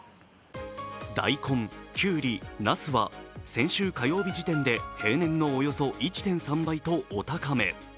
大根、きゅうり、なすは先週火曜日時点で、平年のおよそ１．３倍とお高め。